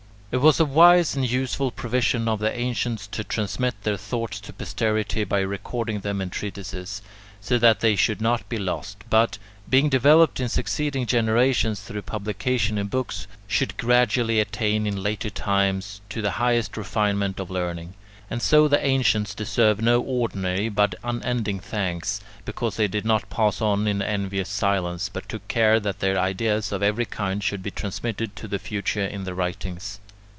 It was a wise and useful provision of the ancients to transmit their thoughts to posterity by recording them in treatises, so that they should not be lost, but, being developed in succeeding generations through publication in books, should gradually attain in later times, to the highest refinement of learning. And so the ancients deserve no ordinary, but unending thanks, because they did not pass on in envious silence, but took care that their ideas of every kind should be transmitted to the future in their writings.